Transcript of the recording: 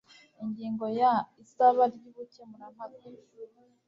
ingingo ya isaba ry ubukemurampaka